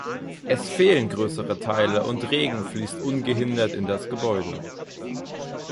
Es fehlen größere Teile und Regen fließt ungehindert in das Gebäude.